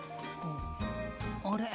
あれ？